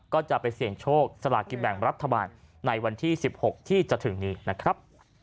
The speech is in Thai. ก็จะไปเสี่ยงโชคสลากินแบ่งรัฐบาลในวันที่๑๖ที่จะถึงนี้นะครับ